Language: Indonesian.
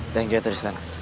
thank you tristan